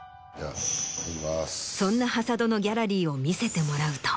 そんな挾土のギャラリーを見せてもらうと。